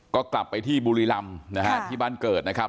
ก็กลับไปที่บุรีรำนะฮะที่บ้านเกิดนะครับ